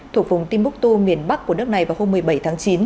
thuộc vùng timbuktu miền bắc của nước này vào hôm một mươi bảy tháng chín